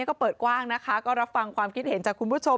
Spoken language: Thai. ก็เปิดกว้างนะคะก็รับฟังความคิดเห็นจากคุณผู้ชม